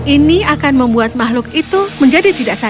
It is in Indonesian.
ini akan membuat makhluk itu menjadi tidak sadar